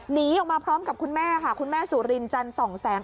หนีออกมาพร้อมกับคุณแม่ค่ะคุณแม่สุรินจันส่องแสง